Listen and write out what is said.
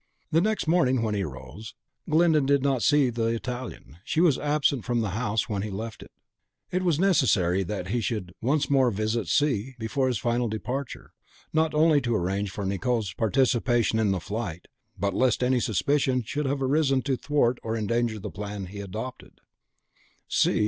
The next morning, when he rose, Glyndon did not see the Italian; she was absent from the house when he left it. It was necessary that he should once more visit C before his final Departure, not only to arrange for Nicot's participation in the flight, but lest any suspicion should have arisen to thwart or endanger the plan he had adopted.